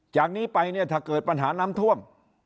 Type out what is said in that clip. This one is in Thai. จากนี้ไปเนี่ยถ้าเกิดปัญหาน้ำท่วม